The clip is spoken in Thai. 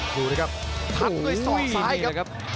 ดูด้วยครับทักด้วยเอกหลอกทางกันนะครับ